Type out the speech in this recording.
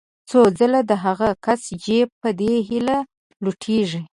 څو ځله د هغه کس جېب په دې هیله لوټېږي.